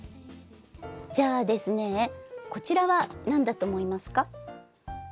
じゃあですねこちらは何だと思いますか？